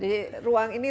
di ruang ini